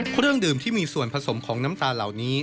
เครื่องดื่มที่มีส่วนผสมของน้ำตาลเหล่านี้